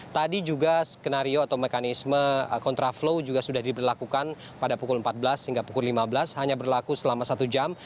tadi juga skenario atau mekanisme kontraflow juga sudah diberlakukan pada pukul empat belas hingga pukul lima belas hanya berlaku selama satu jam